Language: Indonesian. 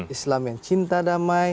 islam yang cinta damai